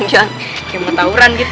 kayak matauran gitu